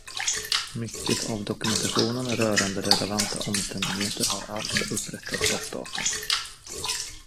Mycket av dokumentationen rörande relevanta omständigheter har alltså upprättats av staten.